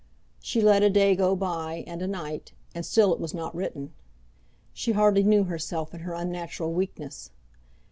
She let a day go by and a night, and still it was not written. She hardly knew herself in her unnatural weakness.